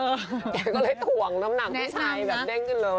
แกก็เลยถ่วงน้ำหนักพี่ชัยแบบเด้งขึ้นเลย